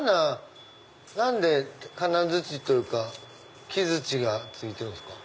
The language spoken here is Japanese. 何で金づちというか木づちが付いてるんですか？